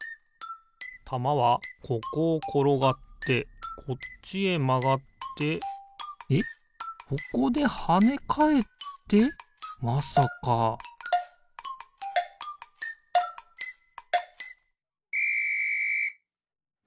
たまはここをころがってこっちへまがってえっここではねかえってまさかピッ！